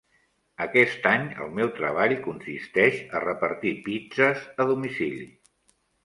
Aquest any el meu treball consisteix a repartir pizzes a domicili.